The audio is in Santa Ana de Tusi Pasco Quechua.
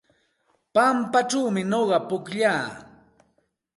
Pampachawmi nuqa pukllaa.